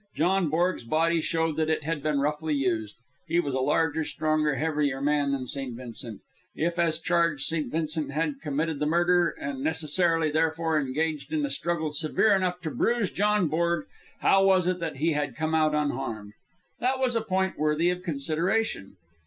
John Borg's body showed that it had been roughly used. He was a larger, stronger, heavier man than St. Vincent. If, as charged, St. Vincent had committed the murder, and necessarily, therefore, engaged in a struggle severe enough to bruise John Borg, how was it that he had come out unharmed? That was a point worthy of consideration.